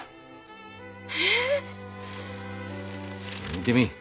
見てみい。